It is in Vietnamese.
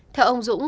theo ông dũng